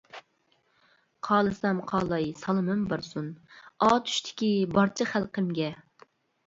قالسام قالاي سالىمىم بارسۇن، ئاتۇشتىكى بارچە خەلقىمگە.